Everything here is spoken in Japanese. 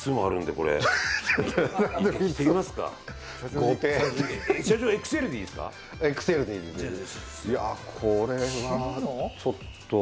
これはちょっと。